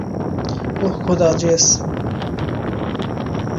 ওহ খোদা, জেস!